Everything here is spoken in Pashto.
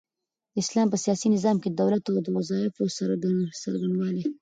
د اسلام په سياسي نظام کي د دولت د وظايفو څرنګوالي